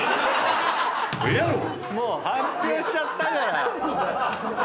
もう発表しちゃったから！